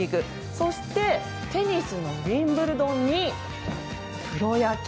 そしてテニスのウィンブルドンにプロ野球。